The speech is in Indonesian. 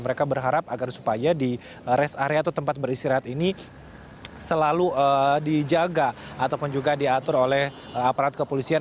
mereka berharap agar supaya di rest area atau tempat beristirahat ini selalu dijaga ataupun juga diatur oleh aparat kepolisian